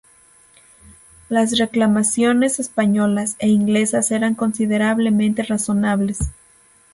Las reclamaciones españolas e inglesas eran considerablemente "razonables".